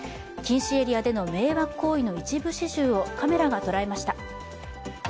禁止エリアでの迷惑行為の一部始終をカメラが捉えました。